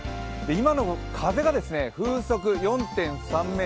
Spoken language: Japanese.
今の風が、風速４．３ｍ。